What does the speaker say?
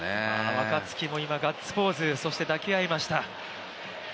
若月も今、ガッツポーズ、そして抱き合いました。